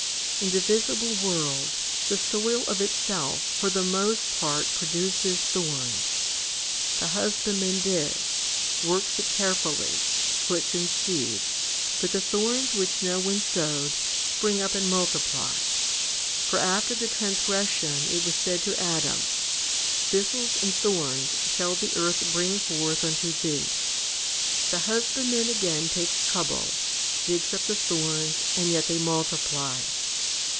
2 ' In the visible world, the soil of itself for the most part produces thorns ; the husbandman digs, works it carefully, puts in seed, but the thorns which no one sowed, spring up and multiply; for after the transgression it was said to Adam, Thistles and thorns shall the earth bring forth unto thee* The husbandman again takes trouble, digs up the thorns, and yet they multiply.